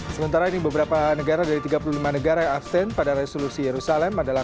sementara ini beberapa negara dari tiga puluh lima negara yang absen pada resolusi yerusalem adalah